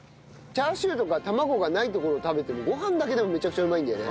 チャーシューとか卵がないところ食べてもご飯だけでもめちゃくちゃうまいんだよね。